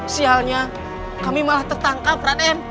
sialnya kami malah tertangkap raden